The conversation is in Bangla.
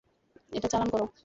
এটা চালান করো!